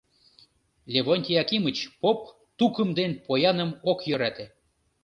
Левонтий Акимыч поп тукым ден пояным ок йӧрате.